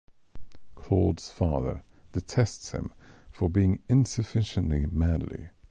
Claude's father detests him for being insufficiently manly.